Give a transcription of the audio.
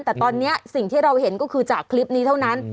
แต่ตอนนี้สิ่งที่เราเห็นก็คือจากคลิปนี้เท่านั้น